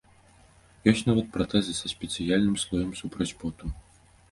Ёсць нават пратэзы са спецыяльным слоем супраць поту.